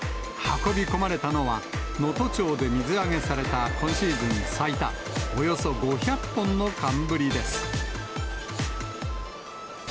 運び込まれたのは、能登町で水揚げされた今シーズン最多、およそ５００本の寒ブリです。